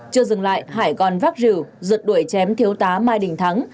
chưa dừng lại hải còn vác rượu rượt đuổi chém thiếu tá mai đình thắng